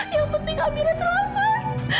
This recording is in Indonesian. yang penting amirah selamat